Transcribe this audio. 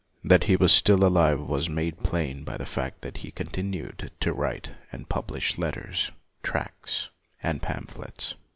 That he was still alive was made plain by the fact that he con tinued to write and publish letters, tracts, and pamphlets.